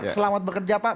selamat bekerja pak